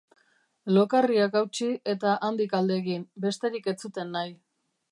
Lokarriak hautsi eta handik alde egin, besterik ez zuten nahi.